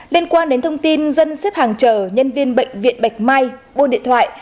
liên quan đến thông tin dân xếp hàng chờ nhân viên bệnh viện bạch mai buôn điện thoại